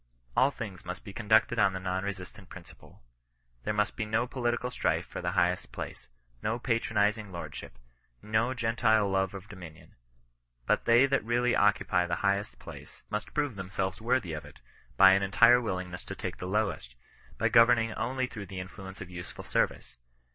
All things must be conducted on the non resistant principle. There must be no political strife for the highest place ; no patronizing lordship ; no Gen tile love of dominion ; but they that really occupy the highest place, must prove themselves worthy of it, by an entire willingness to take the lowest ; by governing only through the influence of useful service.